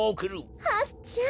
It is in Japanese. はすちゃん。